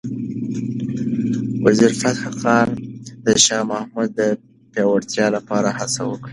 وزیرفتح خان د شاه محمود د پیاوړتیا لپاره هڅه وکړه.